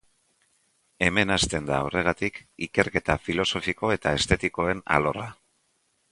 Hemen hasten da, horregatik, ikerketa filosofiko eta estetikoen alorra.